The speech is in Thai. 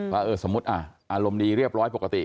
ว่าสมมุติอารมณ์ดีเรียบร้อยปกติ